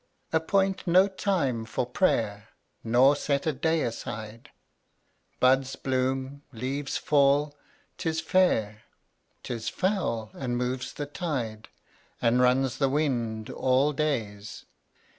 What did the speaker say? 132 Appoint no time for prayer Nor set a day aside; Buds bloom, leaves fall, 'tis fair, 'Tis foul, and moves the tide And runs the wind, all days.